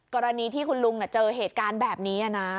กรณีที่คุณลุงเจอเหตุการณ์แบบนี้นะ